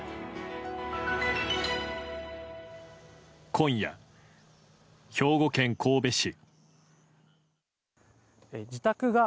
今夜、兵庫県神戸市。